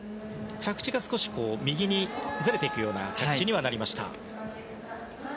少し右にずれていくような着地にはなりました。